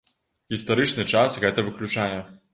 Гістарычны час гэта выключае.